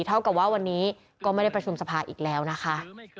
เท่ากับว่าวันนี้ก็ไม่ได้ประชุมสภาอีกแล้วนะคะ